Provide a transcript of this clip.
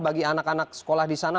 bagi anak anak sekolah di sana